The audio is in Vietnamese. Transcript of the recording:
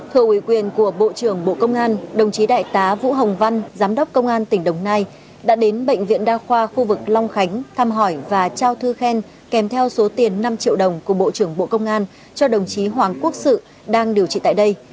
thừa ủy quyền của bộ trưởng bộ công an đồng chí đại tá vũ hồng văn giám đốc công an tỉnh đồng nai đã đến bệnh viện đa khoa khu vực long khánh thăm hỏi và trao thư khen kèm theo số tiền năm triệu đồng của bộ trưởng bộ công an cho đồng chí hoàng quốc sự đang điều trị tại đây